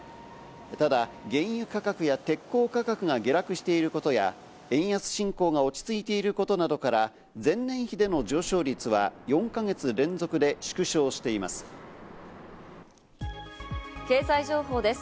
ただ原油価格や鉄鋼価格が下落していることや、円安進行が落ち着いていることなどから、前年比での上昇率は４か経済情報です。